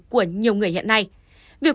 của nhiều người hiện nay việc